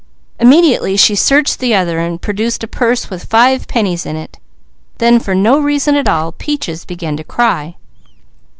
Immediately she searched the other and produced a purse with five pennies in it. Then for no reason at all, Peaches began to cry.